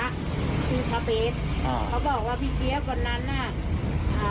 เขาบอกว่าพี่เจี๊ยบวันนั้นอ่ะ